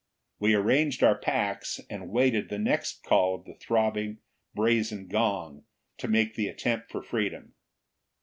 We arranged our packs, and waited the next call of the throbbing brazen gong to make the attempt for freedom.